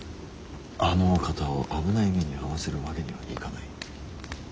あのお方を危ない目に遭わせるわけにはいかない。